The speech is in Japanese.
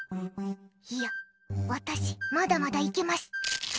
いや、私、まだまだいけます！